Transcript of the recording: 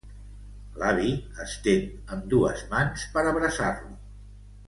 L'avi estén ambdues mans per abraçar-lo.